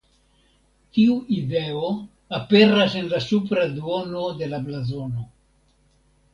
Tiu ideo aperas en la supra duono de la blazono.